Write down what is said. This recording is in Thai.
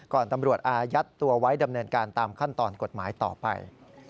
ตำรวจอายัดตัวไว้ดำเนินการตามขั้นตอนกฎหมายต่อไป